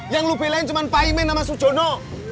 yang lu belain cuman paimin sama su jono